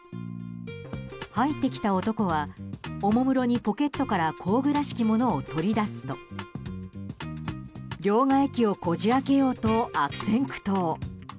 入ってきた男はおもむろにポケットから工具らしきものを取り出すと両替機をこじ開けようと悪戦苦闘。